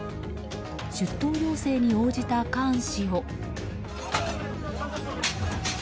出頭要請に応じたカーン氏を。